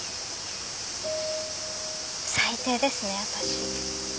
最低ですね私。